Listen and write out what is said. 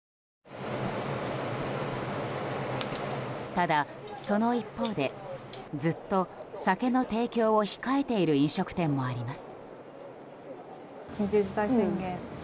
ただ、その一方でずっと酒の提供を控えている飲食店もあります。